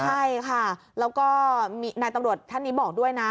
ใช่ค่ะแล้วก็นายตำรวจท่านนี้บอกด้วยนะ